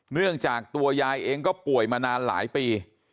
เนื่องจากตัวยายเองก็ป่วยมานานหลายปี